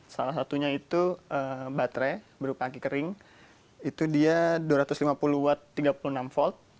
salah satunya itu baterai berupa angki kering itu dia dua ratus lima puluh watt tiga puluh enam volt